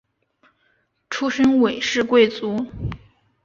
出身韦氏贵族。